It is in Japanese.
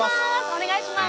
お願いします。